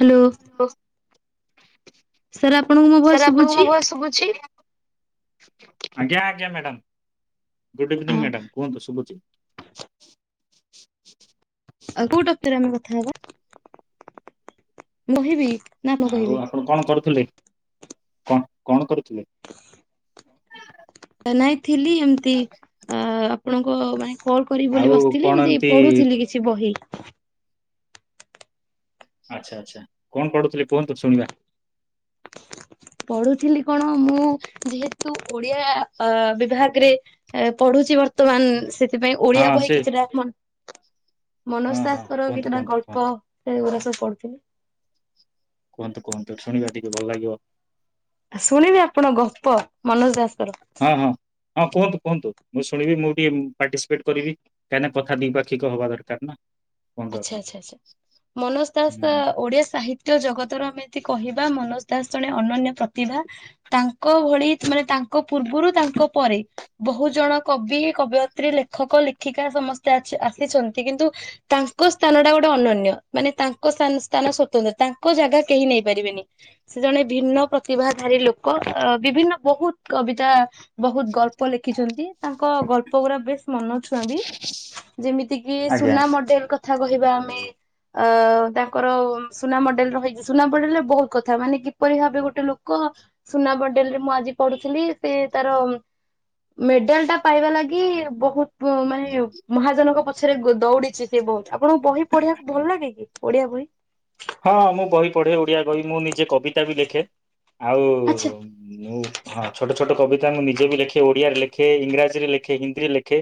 Hello. Hello sir ଆପଣଙ୍କୁ ମୋ sir voice ଆପଣଙ୍କୁ ମୋ ଶୁଭୁଛି? ଭଏସ ଶୁଭୁଛି? ଆଜ୍ଞା ଆଜ୍ଞା ମ୍ୟାଡାମ ଗୁଡ ଆ ଇଭିନିଂ ମ୍ୟାଡାମ କୁହନ୍ତୁ ଶୁଭୁଚିତ ଆଉ କୋଉ ଟପିକରେ ଆମେ କଥା ହବା ମୁହିବି ଆଉ ଆପଣ କଣ କରୁଥିଲେ? କଣ କଣ କରୁଥିଲେ? ନାଇଁ ଥିଲି ଏମିତି ଅ ଆପଣଙ୍କ ପାଇଁ। କଲ କରିବି ବୋଲି ଆଉ ବସିଥିଲି କଣ ଏମିତି ପଢୁଥିଲି କିଛି ବହି। ଆଚ୍ଛା ଆଚ୍ଛା କଣ ପଢୁଥିଲେ କୁହନ୍ତୁ ଶୁଣିବା। ପଢୁଥିଲି କଣ ମୁଁ ଯେହେତୁ ଓଡିଆ ବିଭାଗରେ ପଢୁଛି ବର୍ତ୍ତମାନ ସେ ସେଥିପାଇ ହଁ ଓଡିଆ ବହି ସେ କିଛିଟା ମନସ୍ ହଁ ହଁ ସାସଙ୍କର କୁହନ୍ତୁ କେତଟା କୁହନ୍ତୁ ଗଳ୍ପ କୁହନ୍ତୁ। ସେଗୁଡା ସବ ପଢ଼ୁଥିଲି। କୁହନ୍ତୁ କୁହନ୍ତୁ ଶୁଣିବା ଟିକେ ଭଲ ଲାଗିବ। ଆ ଶୁଣିବେ ଆପଣ ଗପ ମନୋଜ ହଁ ହଁ। ହଁ ଦାସଙ୍କର କୁହନ୍ତୁ କୁହନ୍ତୁ ମୁଁ ଶୁଣିବି ମୁଁ ଟିକେ ପାର୍ଟିସିପେଟ କରିବି କାହିଁକିନା କଥା ଦିପାକ୍ଷିକ ହବା ଦରକାର ନା। କୁହନ୍ତୁ ଆପଣ। ଆଚ୍ଛା ଆଛା ଆଛା ମନୋଜ ଦାସ ଓଡିଆ ସାହିତ୍ୟ ନ୍ୟ ଜଗତରୁ ଆମେ ଯଦି କହିବା ମନୋଜ ଦାସ ଜଣେ ଅନନ୍ୟ ପ୍ରତିଭା ତାଙ୍କ ଭଳି ମାନେ ତାଙ୍କ ପୂର୍ବରୁ ତାଙ୍କ ପରେ ବହୁ ଜଣ କବି କବୟତ୍ରୀ ଲେଖକ ଲେଖିକା ସମସ୍ତେ ଆସିଛନ୍ତି କିନ୍ତୁ। ତାଙ୍କ ସ୍ଥାନ ଟା ଗୋଟେ ଅନନ୍ୟ ମାନେ ତାଙ୍କ ସ୍ଥାନ ସ୍ଵତନ୍ତ୍ର ତାଙ୍କ ଜାଗା କେହି ନେଇ ପାରିବେନି ସେ ଜଣେ ଭିନ୍ନ ପ୍ରତିଭାଧାରୀ ଲୋକ ବିଭିନ୍ନ ବହୁତ କବିତା ବହୁତ ଗଳ୍ପ ଲେଖିଛନ୍ତି ତାଙ୍କ ଗଳ୍ପ ଗୁଡା ବେଶ ମନଛୁଆଁ ବି ଯେମିତି କିି ଆଜ୍ଞା ସୁନା ମ କହିବା ଆମେ ଅ ତାଙ୍କର ସୁନା ମଡେଲ ରହିଛି ସୁନା ମଡେଲରେ ବହୁତ କଥା ମାନେ କିପରି ଭାବେ ଗୋଟେ ଲୋକ ସୁନା ମଡେଲ ରେ ମୁଁ ଆଜି ପଢୁଥିଲି ସେ ତାର ମେଡେଲ ଟା ପାଇବା ଲାଗି ବହୁତ ମାନେ ମହାଜନଙ୍କ ପଛରେ ଦୌଡିଛି। ସେ ବହୁତ ଆପଣଙ୍କୁ ବହି ପଢିବାକୁ ଭଲ ଲାଗେ କି ଓଡିଆ ବହି? ହଁ ମୁଁ ବହି ପଢେ ଓଡିଆ ବହି ମୁଁ ନିଜେ କବିତା ବି ଲେଖେ। ଆଉ ଆଚ୍ଛା ମୁଁ ହଁ ଛୋଟ ଛୋଟ କବିତାଙ୍କୁ ଯେ ବି ଲେଖେ ଓଡ଼ିଆରେ ଲେଖେ ଇଂରାଜୀରେ ଲେଖେ ହିନ୍ଦୀରେ ଲେଖେ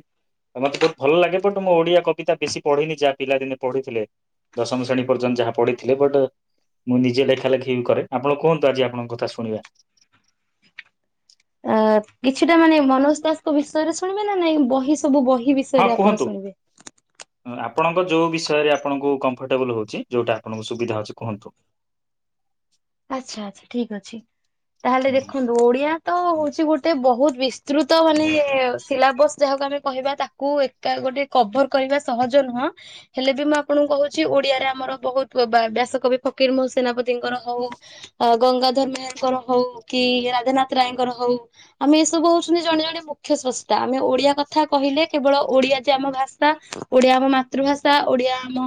ମତେ ବହୁତ ଭଲ ଲାଗେ ବଟ୍ ମୁଁ ଓଡ଼ିଆ କବିତା ବେଶୀ ପଢିନି ଯାହା ପିଲାଦିନେ ପଢ଼ିଥିଲେ ଦଶମ ଶ୍ରେଣୀ ପର୍ଯ୍ୟନ୍ତ ଯାହା ପଢି ଥିଲେ ବଟ୍ ମୁଁ ନିଜେ ଲେଖା ଲେଖି ବି କରେ ଆପଣ କୁହନ୍ତୁ ଆଜି ଆପଣଙ୍କ କଥା ଶୁଣିବା। ଅ କିଛିଟା ମାନେ ମନୋଜ ଦାସଙ୍କ ବିଷୟରେ ଶୁଣିବେ ନା ନାଇଁ ବହି ସବୁ ବହି ହଁ ବିଷୟରେ ଆପଣ କୁହନ୍ତୁ ଶୁଣିବେ? ଆପଣଙ୍କ ଯୋଉ ବିଷୟରେ ଆପଣଙ୍କୁ କମ୍ଫର୍ଟେବୁଲ ହଉଛି ଯୋଉଟା ଆପଣଙ୍କୁ ସୁବିଧା ଅଉଛି କୁହନ୍ତୁ। ଆଚ୍ଛା ଆଛା ଠିକ ଅଛି। ତାହେଲେ ଦେଖନ୍ତୁ ଓଡିଆ। ତ ହଉଛି ଗୋଟେ ବହୁତ ବିସ୍ତୃତ ମାନେ ସିଲାବସ୍ ଯାହାକୁ ଆମେ କହିବା ତାକୁ ଏକା ଗୋଟେ କଭର କରିବା ସହଜ ନୁହଁ ହେଲେ ବି ମୁଁ ଆପଣଙ୍କୁ କହୁଛି ଓଡିଆରେ ଆମର ବହୁତ ବ୍ୟାସକବି ଫକୀର ମୋହ ସେନାପତିଙ୍କର ହଉ। ଗଙ୍ଗାଧର ମେହେରଙ୍କର ହଉ କି ରାଜଧାନଥ ରାୟଙ୍କର ହଉ ଆମେ ଏସବୁ ହଉଛନ୍ତି ଜଣେ ଜଣେ ମୁଖ୍ୟ ସଂ୍ରସ୍ତା ଆମେ ଓଡିଆ କଥା କହିଲେ କେବଳ ଓଡିଆ ଯେ ଆମ ଭାଷା ଓଡିଆ ଆମ ମାତୃଭାଷା ଓଡିଆ ଆମ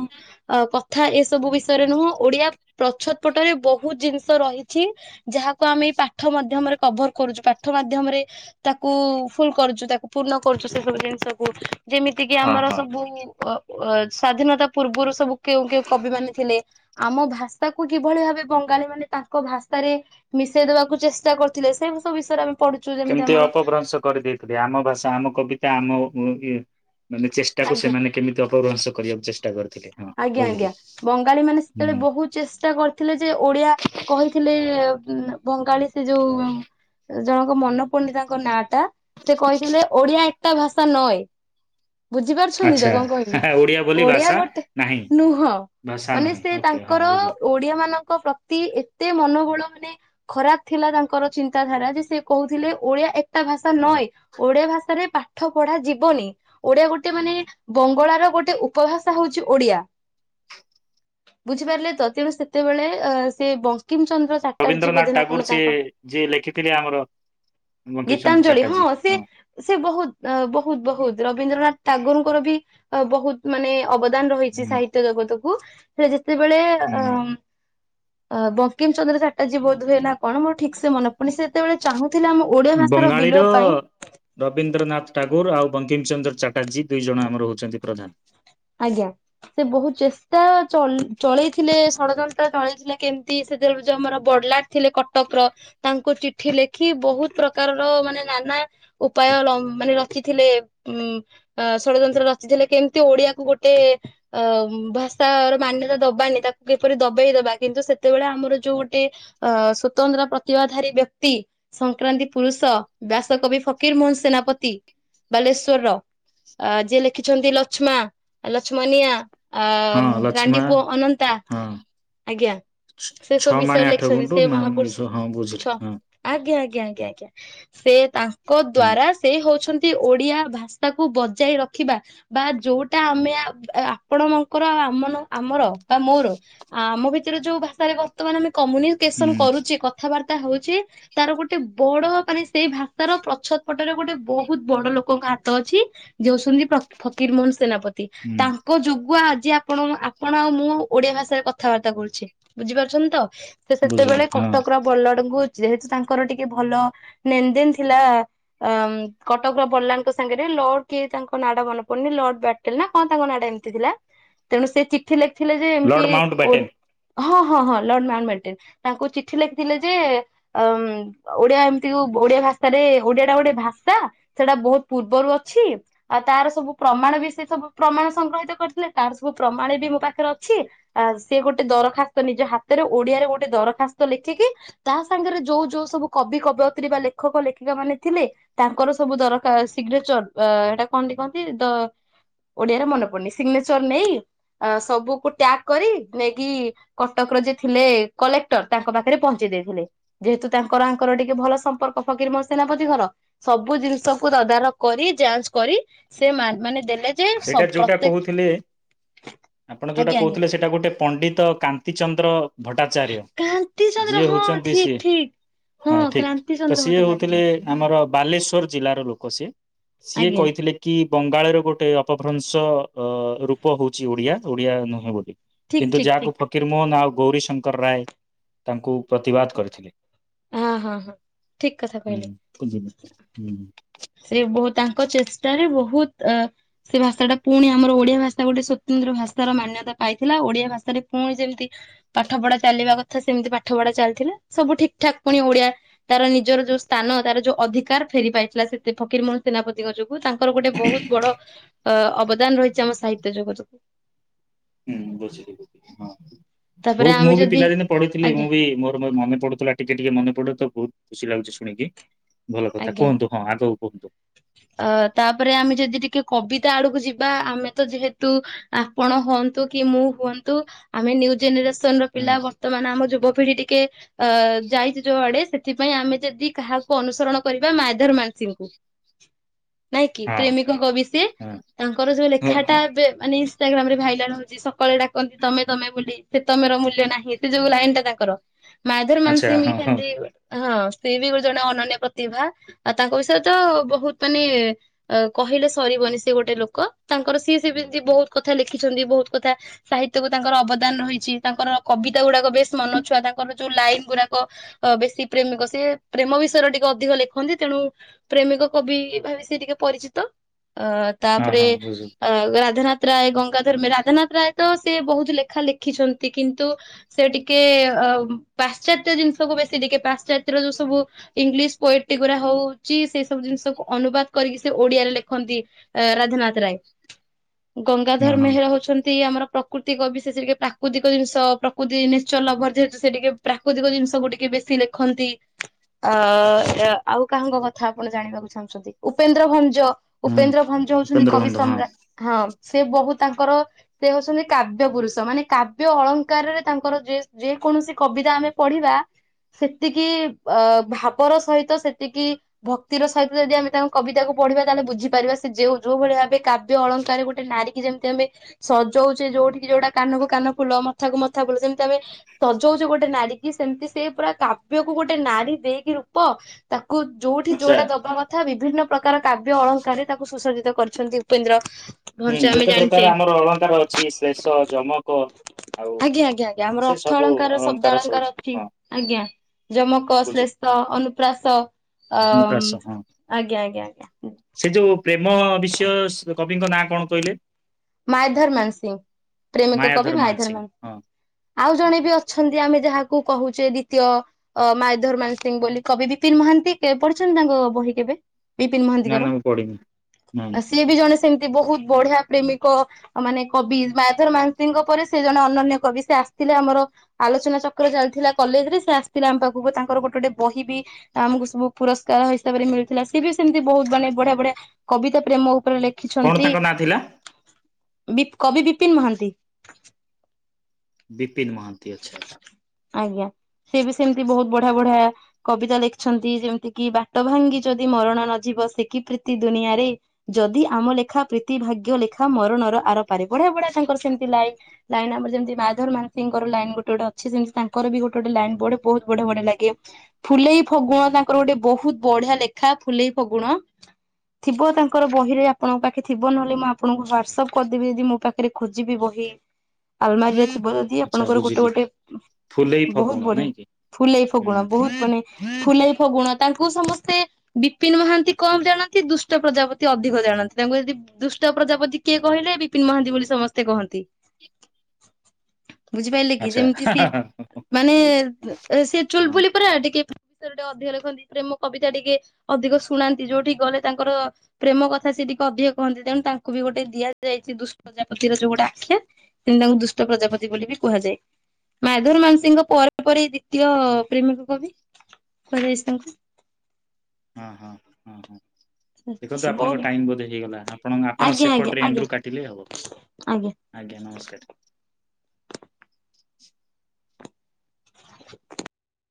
କଥା ଏସବୁ ବିଷୟରେ ନୁହଁ ଓଡିଆ ପ୍ରଛତ ପଟରେ ବହୁ ବହୁତ ଜିନିଷ ରହିଛି ଯାହାକୁ ଆମେ ପାଠ ମାଧ୍ୟମରେ କଭର କରୁଛୁ ପାଠ ମାଧ୍ୟମରେ ତାକୁ ଫୁଲ କରୁଛୁ ତାକୁ ପୂର୍ଣ୍ଣ କରୁଛୁ ସେ ସବୁ ଜିନିଷକୁ। ଯେମିତି କିି ହଁ ଆମର ହଁ ସବୁ ଅ ଅ ସ୍ଵାଧୀନତା ପୂର୍ବରୁ ସବୁ କେଉଁ କେଉଁ କବି ମାନେ ଥିଲେ ଆମ ଭାଷା କୁ କିଭଳି ଭାବେ ବଙ୍ଗା ମାନେ ତାଙ୍କ ଭାଷାରେ ମିଶେଇଦବାକୁ ଚେଷ୍ଟା କରିୁଥିଲେ ସେଇବୁ ବିଷୟରେ ଆମେ। ପଢୁଛୁ ଯେମିତି କେମିତି ଆମର ଅପଭ୍ରଂଶ କରିଦେଇଥିଲି ଆମ ଭାଷା ଆମ କବିତା। ତା ଆମ ଉ ଇଏ। ମାନେ ଚେଷ୍ଟା କୁ ଆଜ୍ଞା ସେମାନେ କେମିତି ଅପଗ୍ରହଂସ କରିବାକୁ ଚେଷ୍ଟା [unintelligible] ଆଜ୍ଞା ବୁଝିଲି ଆଜ୍ଞା ବଙ୍ଗାଳୀ ମାନେ ସେତେବେଳେ ହୁଁ। ବହୁତ ଚେଷ୍ଟା କରିଥିଲେ ଯେ ଓଡିଆ କହିଥିଲେ ଏ ବଙ୍ଗାଳୀ ସେ ଯଉ ଜଣଙ୍କ ମନ ପଡିତାଙ୍କ ନାଁ ଟା ସେ କହିଥିଲେ ଓଡିଆ ଏକଟା ଭାଷା ନଏ। ବୁଝିପାରୁଛନ୍ତି ତ ଆଚ୍ଛା କଣ କହିଲି ବୋଲି ଓଡିଆ ଭାଷା ଗୋଟେ। ନାହିଁ ନୁହଁ ଭାଷା ମାନେ ନୁହେଁ ସେ ଓକେ ହଁ ତାଙ୍କର ବୁଝିଲି। ଓଡିଆ ମାନଙ୍କ ପ୍ର ଏତେ ମନୋବଳ ମାନେ ଖରାପ ଥିଲା ତାଙ୍କର ଚିନ୍ତାଧାରା ଯେ ସେ କହୁଥିଲେ ଓଡିଆ ଏକା ଭାଷା ନଏଁ ଓଡିଆ ଭାଷାରେ ପାଠ ପଢା ଯିବନି ଓଡିଆ ଗୋଟେ ମାନେ ବଙ୍ଗଳାର ଗୋଟେ ଉପଭାଷା ହଉଛି ଓଡିଆ। ବୁଝିପାରିଲେ ତ ତେଣୁ ସେତେବେଳେ ଅ ସେ ବଂଶ କିମ ଚନ୍ଦ୍ର ଚାଟାର୍ଜୀ ରବୀନ୍ଦ୍ରନାଥ ବୋଧେନା ଟାଗୋର କଣ ସିଏ ତାଙ୍କର ଯିଏ ଲେଖିଥିଲେ ଆମର ବଙ୍କିମଚନ୍ଦ୍ର ଗୀତାଞ୍ଜଳି ହଁ ଚାଟାର୍ଜୀ ସେ ସେ ବହୁତ ବହୁତ ବହୁତ ରବୀନ୍ଦ୍ରନାଥ ଟାଗୋରଙ୍କର ବି ବହୁତ ମାନେ ଅବଦାନ ରହିଥିଲା। ଯେ ହୁଁ ସାହିତ୍ୟ ଜଗତକୁ କୁ ହେଜିତ୍ ଯେତେବେଳେ ଅ ହୁଁ ଅ ବଙ୍କିମ ଚନ୍ଦ୍ର ଚାଟଜୀ ବୋଧହୁଏ ନା କଣ ମୋର ଠିକ ସେ ମନେ ପଡୁନି ସେ ଯେତେବେଳେ ଚାହୁଥିଲା ଆମ ଓଡିଆ ଭାଷାର ବଙ୍ଗାଳୀର ବିଲୋପ ପାଇଁ। ବଙ୍କିମ ଚନ୍ଦ୍ର ଚା ଆଜି ଦୁଇ ଜଣ ଆମର ହଉଛନ୍ତି ପ୍ରଧାନ। [inaudible] ଆଜ୍ଞା ସେ ବହୁତ ଚେଷ୍ଟା ଚଲେ ଚଳେଇଥିଲେ ଷଡ଼ଯନ୍ତ୍ର। ତା ତଳେଥିଲା କେମିତି ସେ ଯୋଉ ଆମର ବଡଲାଟ ଥିଲେ କଟକ ର ତାଙ୍କୁ ଚିଠି ଲେଖି ବହୁତ ପ୍ରକାରର ମାନେ ନାନା ଉପାୟ ମାନେ ରଚିଥିଲେ ଉଁ ଷଡଯନ୍ତ୍ର ରଚିଥିଲେ କେମିତି ଓଡିଆ। ଗୋଟେ ଅ ଭାଷା ର ମାନ୍ୟତା ଦବାନି ତାକୁ କିପରି ଦବେଇ ଦବା କିନ୍ତୁ ସେତେବେଳେ ଆମର ଯୋଉ ଗୋଟେ ଅ ସ୍ଵତନ୍ତ୍ର ପ୍ରତିଭାଧାରୀ ବ୍ୟକ୍ତି ସଂକ୍ରାନ୍ତି ପୁରୁଷ ବ୍ୟାସ କବି ଫକୀର ମୋହନ ସେନାପତି ବାଲେଶ୍ଵରର ଯିଏ ଲେଖିଛନ୍ତି ଲକ୍ମା। ଲଷ୍ମଣିଆ। ଅ ହଁ ରାଣ୍ଡି ଲକ୍ଷ୍ମା ପୁଅ ଅନନ୍ତା ହଁ ଆଜ୍ଞା ସେ ସବୁ ଛଅ ମାଣେ ବିଷୟରେ ଆଠ ଲେଖିଛନ୍ତି ଗୁଣ୍ଟୁ ସେ ମହାପୁରୁଷ ହଁ ଛ ବୁଝିଲି ହଁ। ଆଜ୍ଞା ଆଜ୍ଞା ଆଜ୍ଞା ଆଜ୍ଞା ସେ ତା ଙ୍କ ହୁଁ ଦ୍ଵାରା ସେ ହଉଛନ୍ତି ଓଡିଆ ଭାଷା ତାକୁ ବଜାଇ ରଖିବା ବା ଯୋଉ ତା ଆମେ ଆବ ଆପଣଙ୍କର ଆଉ ଆମ ଆମର ବା ମୋର ଆ ମୁଁ ବି ଥିରେ ଯଉ ଭାଷାରେ ବର୍ତ୍ତମାନ ଆମେ କମ୍ୟୁନିକେସନ ହୁଁ କରୁଚେ କଥାବାର୍ତ୍ତା ତା ହଉଛେ ତାର ଗୋଟେ ବଡ ମାନେ ସେଇ ଭାଷାର ପ୍ରଛଦ ପଟରେ ଗୋଟେ ବହୁତ ବଡ ଲୋକଙ୍କ ହାତ ଅଛି ଯେ ହେଉଛନ୍ତି ଫକୀର ମୋହନ ସେନାପତି ହୁଁ ତାଙ୍କ ଯୋଗୁଆ ଯେ ଆପଣ ଆପଣ ଆଉ ମୁଁ ଓଡିଆ ଭାଷାରେ କଥାବାର୍ତ୍ତା କରୁଛି ବୁଝିପାରୁଛନ୍ତି ତ? ସେ ବୁଝିଲି ସେତେବେଳେ ହଁ କଟକର ବଲଡଙ୍କୁ ଯେହେତୁ ତାଙ୍କର ଟିକେ ଭଲ ଲେନ ଦେନ ଥିଲା ଅ କଟକର ବଲାଲଙ୍କ ସାଙ୍ଗରେ ଲର୍ଡ କିଏ ତାଙ୍କ ନା ଟା ମନେ ପଡନି ଲର୍ଡ ବ ନା କଣ ତାଙ୍କ ନାଁଟ ଏମତି ଥିଲା ତେଣୁ ସେ ଚିଠି ଲେଖି ଥିଲେ ଯେ ଲର୍ଡ ଏମିତି ମାଉଣ୍ଟ ଓ ବ୍ୟାଟେନ୍ ହଁ ହଁ ହଁ ଲର୍ଡ଼ ମାଉଣ୍ଟ ମେନ୍ଟେନ୍ ତାଙ୍କୁ ଚିଠି ଲେଖିଥିଲେ ଯେ ଅ ଓଡିଆ ଏମିତି ଓଡିଆ ଭାଷାରେ ଓଡିଆ ଟା ଗୋଟେ ଭାଷା ସେଟା ବହୁତ ପୂର୍ବରୁ ଅଛି ଆଉ ତାର ସବୁ ପ୍ରମାଣ ବି ସେ ସବୁ ପ୍ରମାଣ ସଂଗ୍ରହିତ କରିଥିଲେ ତାର ସବୁ ପ୍ରମାଣ ବି ମୋ ପାଖରେ ଅଛି ଆ ସିଏ ଗୋଟେ ଦରଖାସ୍ତ ନିଜ ହାତରେ ଓଡିଆରେ ଗୋଟେ ଦରଖାସ୍ତ ଲେଖିକି ତା ସାଙ୍ଗରେ ଯୋଉ ଯୋଉ ସବୁ କବି କବୟତ୍ରୀ ବା ଲେଖକ ଲେଖିକା ମାନେ ଥିଲେ ତାଙ୍କର ସବୁ ଦର ସିଗ୍ନେଚର ହେଟା କଣ ତି କହନ୍ତି ଦ ଓଡିଆରେ ମନେ ପଡୁନି ସିଗ୍ନେଚର ନେଇ ସବୁକୁ ଟ୍ୟାଗ କରି ନେଇକି କଟକର ଯେ ଥିଲେ କଲେକ୍ଟର ତାଙ୍କ ପାଖରେ ପହଞ୍ଚି ଦେଇଥିଲେ ଯେହେତୁ ତାଙ୍କର ଆଙ୍କର ଟିକେ ଭଲ ସମ୍ପର୍କ ଫକିର ମୋ ସେନାପତି ଘର ସବୁ ଜିନିଷକୁ ତଦାରଖ କରି ଯାଞ୍ଚ କରି ସେ ମାନେ ଦେଲେ ଯେ ସେଇଟା ଯୋଉଟା ପ୍ରତ୍ୟେକ କହୁଥିଲେ ଆପଣ ଯୋଉଟା ଆଜ୍ଞା ଆଜ୍ଞା କହୁଥିଲେ ସେଇଟା ଗୋଟେ ପଣ୍ଡିତ କାନ୍ତିଚନ୍ଦ ମ୍ର ଭଟ୍ଟାଚାର୍ଯ୍ୟ କ୍ରାନ୍ତି ଚନ୍ଦ୍ର ଯିଏ ହଁ ହଉଛନ୍ତି ଠିକ ସିଏ ଠିକ ହଁ ଠିକ କ୍ରାନ୍ତି ତ ଚନ୍ଦ୍ର ସିଏ ହଉଥିଲେ ଭଟ୍ଟାଚାର୍ଯ୍ୟ ଆମର ବାଲେଶ୍ୱର ଜିଲ୍ଲାର ଲୋକ ସିଏ। ସିଏ ଆଜ୍ଞା କହିଥିଲେ କି ବଙ୍ଗାଳରେ ଗୋଟେ ଉପଭ୍ରଂଶ ଅ ରୂପ ହଉଛି ଓଡିଆ ଓଡିଆ ନୁହେଁ ବୋଲି ଠିକ କିନ୍ତୁ ଠିକ ଯାହାକୁ ଠିକ ଫକୀର ମୋହନ ଆଉ ଗୌରୀ ଶ ଶଙ୍କର ରାୟ ତାଙ୍କୁ ପ୍ରତିବାଦ କରିଥିଲେ। ହଁ ହଁ ହଁ ଠିକ କଥା ହୁଁ କହିଲେ ବୁଝିଲି ହୁଁ ସେ ବହୁ ତାଙ୍କ ଚେଷ୍ଟାରେ ବହୁତ ଅ ସେ ଭାଷା ଟା ପୁଣି ଆମର ଓଡିଆ ଭାଷା ତା ଗୋଟେ ସ୍ୱତନ୍ତ୍ର ଭାଷାର ମାନ୍ୟତା ପାଇଥିଲା ଓଡିଆ ଭାଷାରେ ପୁଣି ଯେମିତି ପାଠ ପଢା ଚାଲିବା କଥା ସେମିତି ପାଠ ପଢା ଚାଲିଥିଲା ସବୁ ଠିକ ଠାକ୍ ପୁଣି ଓଡିଆ ତାର ନିଜର ଯୋଉ ସ୍ଥାନ ତାର ଯୋଉ ଅଧିକାର ଫେରି ପାଇଥିଲା ସେ ଫକୀରମୋହନ ସେନାପତିଙ୍କ ଯୋଗୁ। ତାଙ୍କର ଗୋଟେ ବହୁତ ବଡ ଅ ଅବଦାନ ରହିଛି ଆମ ସାହିତ୍ୟ ତେ ଯୋଗ ହୁଁ ବସି ହଁ ତାପରେ ବହୁତ ମୁଁ ଆମେ ବି ଯଦି ପିଲାଦିନେ ପଢେଇଥିଲି ମୁଁ ଆଜ୍ଞା ବି ମୋର ମନେ ପଡୁଥିଲା ଟିକେ ଟିକେ ମନେ ପଡୁ ତ ବହୁ କିୁଛି ଲାଗୁଛି ଶୁଣିକି ଭଲ କଥା ଆଜ୍ଞା କୁହନ୍ତୁ ହଁ ଆଗକୁ କୁହନ୍ତୁ ଅ ତାପରେ ଆମେ ଯଦି ଟିକେ କବିତା ଆଡକୁ ଯିବା ବା ଆମେ ତ ଯେହେତୁ ଆପଣ ହୁଅନ୍ତୁ କି ମୁଁ ହୁଅନ୍ତୁ ଆମେ ନିୁ ଜେନେସ ର ହୁଁ ପିଲା ବର୍ତ୍ତମାନ ଆମ ଯୁବକ ିଠି ଟିକେ ଅ ଯାଇଛି ଯୋଆଡେ ସେଥିପାଇଁ ଆମେ ଯଦି କାହାକୁ ଅନୁସରଣ କରିବା ମାଧର ମାାନସୀଙ୍କୁ ନାଇଁ କି ହଁ ପ୍ରେମିକଙ୍କ ବି ସେ ହଁ ତାଙ୍କର ଯୋଉ ହଁ ହଁ ଲେଖାଟାବେ ମାନେ ଇଷ୍ଟାଗ୍ରାମ ରେ ଭାଇରାଲ ହଉଛି ସକାଳେ ଡାକନ୍ତି ତମେ ତମେ ବୋଲି ସେ ତମର ମୂଲ୍ୟ ନାହିଁ ସେ ଯୋଉ ଲାଇନ ଟା ତାଙ୍କର ମାଧର ଆଚ୍ଛା ମାନସି ମି ହଁ ହଁ ଠଡି ହଁ ବି ଗୋଟେ ଜଣେ ଅନନ୍ୟ ପ୍ରଭା ଆ ତାଙ୍କ ବିଷୟରେ ତ ବହୁତ ମାନେ କହିଲେ ସରିବନି ସେ ଗୋଟେ ଲୋକ ତାଙ୍କର ସିଏ ସେମିତି ବହୁତ କଥା ଲେଖିଛନ୍ତି ବହୁତ କଥା ସାହିତ୍ୟକୁ ତାଙ୍କର ଅବଦାନ ରହିଛି ତାଙ୍କର କବିତା ଗୁଡାକ ବେଶ ମନଛୁଆ ତାଙ୍କର ଯୋଉ ଲାଇନ ଗୁଡାକ ବେଶୀ ପ୍ରେମିକ ସେି ପ୍ରେମ ବିଷୟରେ ଟେ ଟେ ଅଧିକ ଲେଖନ୍ତି ତେଣୁ ପ୍ରେମିକ କବି ଭାି ସେି ଟିକେ ପରିଚିତ ଅ ହଁ ତାପରେ ହଁ ବୁଝ ଅ ରାଧାନଥ ରାୟ ଗଙ୍ଗାଧର୍ମେ ରାଧାନାଥ ରାୟ ତ ସେ ବହୁତ ଲେଖା ଲେଖିଛନ୍ତି କିନ୍ତୁ ସେ ଟିକେ ଅ ପାଶ୍ଚାତ୍ୟ ଜିନିଷକୁ ବେଶୀ ଟିକେ ପାଶ୍ଚାତ୍ୟର ଯୋଉ ସବୁ ଇଂଲିଶ ପୋଏଟ୍ରି ଗୁଡା ହଉଛି ସେଇ ସବୁ ଜିନିଷକୁ ଅନୁବାଦ କରିକି ସେ ଓଡିଆରେ ଲେଖନ୍ତି ରାଧାନଥ ରାୟ ହଁ ଗଙ୍ଗାଧର ହଁ ମେହେର ହଉଛନ୍ତି ଆମର ପ୍ରକୃତିକ ବିଷଷ ଟିକେ ପ୍ରାକୃତିକ ଜିନିଷ ପ୍ରକୃତି ନେଚର ଲଭର ଯେହେତୁ ସେ ଟିକେ ପ୍ରାକୃତିକ ଜିନିଷ ଗୁ ଟିକେ ବେଶୀ ଲେଖନ୍ତି ଆ ଆଉ କାହାଙ୍କ କଥା ଆପଣ ଜାଣିବାକୁ ଚାହୁଁଛନ୍ତି ଉପେନ୍ଦ୍ର ଭଞ୍ଜ ହୁଁ ଉପେନ୍ଦ୍ର ଭଞ୍ଜ ହଉଛନ୍ତି ଉପେନ୍ଦ୍ର କବି ବନ୍ଧ ହଁ ସମ୍ରାଟ ହଁ ସେ ବହୁତ ତାଙ୍କର ସେ ହଉଛନ୍ତି କାବ୍ୟ ପୁରୁଷ ମାନେ କାବ୍ୟ ଅଳଙ୍କାରରେ ତାଙ୍କର ଯେ ଯେ କୌଣସି କବିତା ଆମେ ପଢିବା ସେତିକି ଅ ଭାବର ସହିତ ତ ସେତିକି ଭକ୍ତିର ସହିତ ଯଦି ଆମେ ତାଙ୍କ କବିତାକୁୁ ପଢିବା ତାହେଲେ ବୁଝିପାରିବା ସେ ଯଉ ଯୋଉ ଭଳି ଭାବେ କାବ୍ୟ ଅଳଙ୍କାରାରେ ଗୋଟେ ନାରୀ କି ଯେମିତି ଆମେ ସଜଉଛେ ଯୋଉଠ କିି ଯୋଉଟା କାନ କକୁ କାନ ଫୁଲ ମଥାକୁ ମଥା ଫୁଲ ସେମିତି ଆମେ ସଜଉଛେ ଗୋଟେ ନାରୀ କି ସେମିତି ସେଇ ପୁରା କାବ୍ୟକୁ ଗୋଟେ ନାରୀ ଦେଇକି ରୂପ ତାକୁ ଯୋଉଠି ଆଚ୍ଛା ଯୋଉଟାବା କଥା ବି [unintelligible] ପ୍ରକାର କାବ୍ୟ ଅଳଙ୍କାର ତାକୁ ସୁସଜିତ କରିଛନ୍ତି ଉପେନ୍ଦ୍ର ହୁଁ ଭଞ୍ଚ ଆମେ ଯେତେ ପ୍ରକାର ଜାଣିଛେ ଆମର ଅଳଙ୍କାର ଅଛି ଶ୍ଲେଷ ଯମକ ଆଉ ଆଜ୍ଞା ଆଜ୍ଞା ଆଜ୍ଞା ଆମର ସେ ଅର୍ଥ ସବୁ ଅଳଙ୍କାର ଶବ୍ଦ ସବୁ ଅଳଙ୍କାର ଅଛି ହଁ ଆଜ୍ଞା ଜମକ ବୁଝିଲି। ଶ୍ଲେଷ୍ ଅନୁପ୍ରା ହ ଅ ପ୍ରାସ ହଁ ଆଜ୍ଞା ଆଜ୍ଞା ଆଜ୍ଞା ସେ ଯୋଉ ପ୍ରେମ ବିଷୟ ଙ୍କ ନାଁ କଣ କହିଲେ? ମାଇଧର ମାନସିିଂ ପ୍ରେମିକ କବି ମାୟାଧର ମାଇଧର ମାନସିଂ ମାନସିିଂ ହଁ ଆଉ ହଁ ଜଣେ ହଁ ବି ଅଛନ୍ତି ଆମେ ଯାହାକୁ କୁ କହୁଛେ ଦ୍ୱିତୀୟ ଅ ମାାୟଧର ମ ସିଂହ ବୋଲି କବି ବିପିନ ମହାନ୍ତି ପଢଛନ୍ତି ତାଙ୍କ ବହି କେବେ ବିପିନ ନା ମହାନ୍ତିଙ୍କର ନା ମୁଁ ପଢିନି ହୁଁ ଆ ସିଏ ବି ଜଣେ ସେମିତି ବହୁତ ବଢିଆ ପ୍ରେମିକ ମାନେ କବି ମାଧର ମାଂସଙ୍କ ପରେ ସେ ଜଣେ ଅନନ୍ୟ କବି ସେ ଆସିଥିଲେ ଆମର ଆଲୋଚନା ଚକ୍ର ଚାଲିଥିଲା କଲେଜ ରେ ସେ ଆସିଥିଲା ଆମ ପାଖକୁ ତାଙ୍କର ଗୋଟେ ଗୋଟେ ବହି ବି ଆମକୁ ସବୁ ପୁରସ୍କାର ହିସାବରେ ମିଳୁଥିଲା ସେ ବି ସେମିତି ବହୁତ ମାନେ ବଢିଆ ବଢିଆ କବିତା ପ୍ରେମ ଉପରେ କଣ ଲେଖିଛନ୍ତି। ତାଙ୍କ ନାଁ ଥିଲା? କବି ବିପିନ ମହାନ୍ତି। ବି ବିପିନ ମହାନ୍ତି ଅଛା। ଆଜ୍ଞା ସେ ବି ସେମିତି ବହୁତ ବଢିଆ ବଢିଆ କବିତା ଲେଖିଛନ୍ତି ଯେମିତି କିି ବାଟ ଭାଙ୍ଗି ଯଦି ମରଣ ନଯିବ ସେ କିି ପ୍ରୀତି ଦୁନିଆରେ ଯଦି ଆମ ଲେଖା ପ୍ରୀତି ଭାଗ୍ୟ ଲେଖା ମରଣର ଆରପାରେ ବଢିଆ ବଢିଆ ତାଙ୍କର ସେମିତି ଲାଇ ଲାଇ ଆମର ଯେମିତି ମାୟାଧର ମାନସିଂ। ର ଲାଇନ ଗୋଟେ ଗୋଟେ ଅଛି ସେମିତି ତାଙ୍କର ବି ଗୋଟେ ଗୋଟେ ଲାଇନ ବୋଡେ ବହୁତ ବଢିଆ ବଢଆ ଲାଗେ ଫୁଲେଇ ଫଗୁଣ ତାଙ୍କର ଗୋଟେ ବହୁତ ବଢିଆ ଲେଖା ଫୁଲେଇ ଫଗୁଣ ଥିବ ତାଙ୍କର ବହିରେ ଆପଣଙ୍କ ପାଖେ ଥିବ ନହେଲେ ମୁଁ ଆପଣଙ୍କୁ ହ୍ଵଟସଆପ କରିଦେବି ଯଦି ମୋ ପାଖରେ ଖୋଜିବି ବହି। ଆଲମାରିରେ ଥିବଯଦି। ଆଚ୍ଛା ଗୋଟେ ବୁଝିଲି ଗୋଟେ ଫୁଲେଇ ବହୁତ ଫଗୁଣ ବଢିଆ ନାଇଁ କି ଫୁଲେଇ ଫଗୁଣ ବହୁତ ମାନେ ହୁଁ। ଫୁଲେଈ ଫଗୁଣ କୁଣ ତାଙ୍କୁ ସମସ୍ତେ ବିପିନ ମହାନ୍ତି କଣ ଜାଣନ୍ତି ଦୁଷ୍ଟ ପ୍ରଜାପତି ଅଧିକ ଜାଣନ୍ତି ତାଙ୍କୁ ଯଦି ଦୁଷ୍ଟ ପ୍ରଜାପତି କିଏ କହିଲେ ବିପିନ ମହାନ୍ତି ବୋଲି ସମସ୍ତେ କହନ୍ତି। ବୁଝିପାରିଲେ କି ଆଚ୍ଛା ଯେମିତି ସିଏ ମାନେ ବୁଝିଲି ସିଏ ହଁ ଚୁଲବୁଲି ପରା ଟିକେ। ବିଷୟରେ ଟିକେ ଅଧିକ ଲେଖନ୍ତି ପ୍ରେମ କବିତା ଟିକେ ଅଧିକ ଶୁଣାନ୍ତି ଯୋଉଠିକି ଗଲେ ତାଙ୍କର ପ୍ରେମ କଥା ସେିଏ ଟିକେ ଅଧିକ କହନ୍ତି ତେଣୁ ତାଙ୍କୁ ବି ଗୋଟେ ଦିଆଯାଇଛି ଦୁଷ୍ଟ ପ୍ରଜାପତିର ଯୋଉ ଗୋଟେ ଆଖ୍ୟା ସେତି ତାଙ୍କୁ ଦୁଷ୍ଟ ପ୍ରଜାପତି ବୋଲି ବି। କୁହାଯାଏ ମାଧୁର ମାନସୀଙ୍କ ପରେ ପରେ ଦ୍ଵିତୀୟ ପ୍ରେମିକ କବି କୁହାଯାଇଛି ତାଙ୍କୁ। ହଁ ହଁ ହଁ ହଁ ଦେଖନ୍ତୁ ତାଙ୍କୁ ଆପଣଙ୍କ ଟାଇମ ବହୁତ ବୋଧେ ହେଇଗଲା। ଆପଣ ଆପଣ ଆଜ୍ଞା ଆଜ୍ଞା ସେପଟରେ ଏଣ୍ଡୁ ଆଜ୍ଞା କାଟିଲେ ହେବ ଆଜ୍ଞା। ଆଜ୍ଞା ନମସ୍କାର। [inaudible]